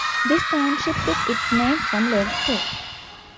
This township took its name from Lake Stay.